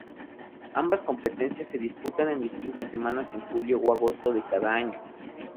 Ambas competencias se disputan en distintas semanas en julio o agosto de cada año.